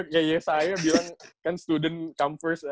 kayak saya bilang kan student come first